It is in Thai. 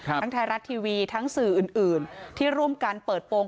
ทั้งไทยรัฐทีวีทั้งสื่ออื่นที่ร่วมกันเปิดโปรง